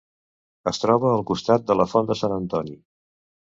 Es troba al costat de la font de Sant Antoni.